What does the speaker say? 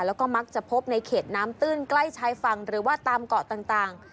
แล้วก็มักจะพบในเขตน้ำตื้นใกล้ชายฝั่งหรือว่าตามเกาะต่าง